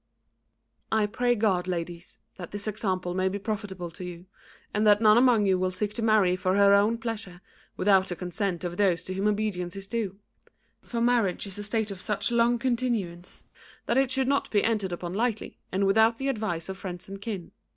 "I pray God, ladies, that this example may be profitable to you, and that none among you will seek to marry for her own pleasure without the consent of those to whom obedience is due; for marriage is a state of such long continuance that it should not be entered upon lightly and without the advice of friends and kin.